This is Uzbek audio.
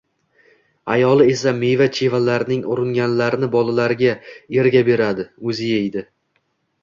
Ayoli esa meva-chevalarning uringanlarini bolalariga, eriga beradi, o‘zi yeydi